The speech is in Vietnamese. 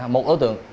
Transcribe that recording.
một đối tượng